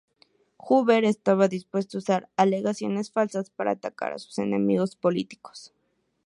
Hoover estaba dispuesto a usar alegaciones falsas para atacar a sus enemigos políticos.